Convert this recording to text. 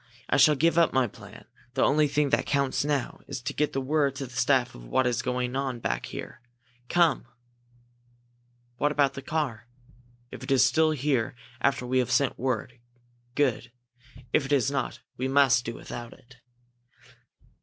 I shall give up my plan. The only thing that counts now is to get word to the staff of what is going on back here! Come!" "What about the car?" "If it is still here after we have sent word, good! If it is not, we must do without it."